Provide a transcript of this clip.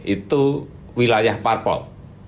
itu wilayah parpol